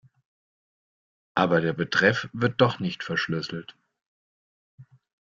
Aber der Betreff wird doch nicht verschlüsselt.